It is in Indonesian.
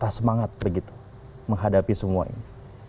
rasa semangat begitu menghadapi semua ini